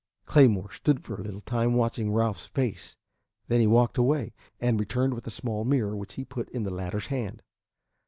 Claymore stood for a little time watching Ralph's face; then he walked away, and returned with a small mirror which he put in the latter's hand.